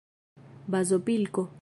bazopilko